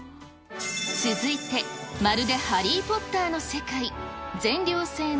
続いて、まるでハリー・ポッターの世界。